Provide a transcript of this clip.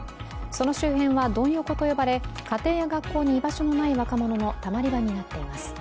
その周辺はドン横と呼ばれ、家庭や学校に居場所のない若者のたまり場になっています。